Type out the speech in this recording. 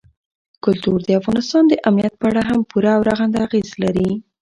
کلتور د افغانستان د امنیت په اړه هم پوره او رغنده اغېز لري.